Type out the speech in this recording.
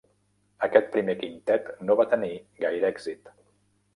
Aquest primer quintet no va tenir gaire èxit.